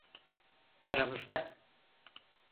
Aramızda.